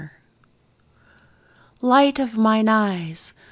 Light of mine eyes!